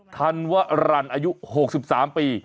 ท่านว่ารันอายุ๖๓ปี